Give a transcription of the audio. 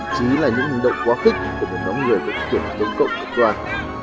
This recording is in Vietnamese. chỉ là những hình động quá khích của một lòng người độc tuyển của tổng cộng hoạt toàn